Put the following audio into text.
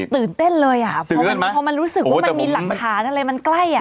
ตื่นเต้นเลยอ่ะพอมันรู้สึกว่ามันมีหลักฐานอะไรมันใกล้อ่ะ